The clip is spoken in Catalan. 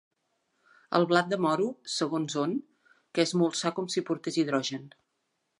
El blat de moro, segons on, que és molt sa com si portés hidrogen.